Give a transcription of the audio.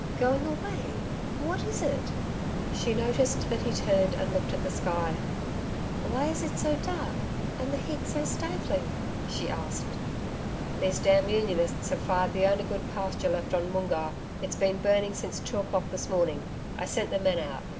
'Going away what is it?' She noticed that he turned and looked at the sky. 'Why is it so dark and the heat so stifling?' she asked. 'These damned Unionists have fired the only good pasture left on Moongarr. It's been burning since two o'clock this morning. I sent the men out.